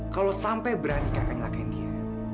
kalau sampai berani kakak ngelakain dia